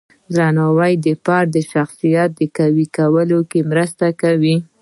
درناوی د فرد د شخصیت قوی کولو کې مرسته کوي.